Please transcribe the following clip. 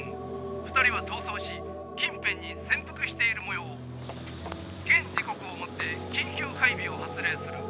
２人は逃走し近辺に潜伏している模様」「現時刻をもって緊急配備を発令する」